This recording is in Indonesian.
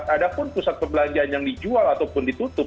adapun pusat perbelanjaan yang dijual ataupun ditutup